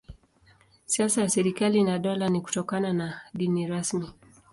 Siasa ya serikali na dola ni kutokuwa na dini rasmi.